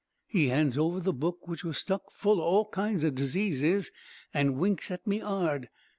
"He hands over the book, which was stuck full o' all kinds o' diseases, and winks at me 'ard.